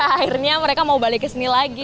akhirnya mereka mau balik ke sini lagi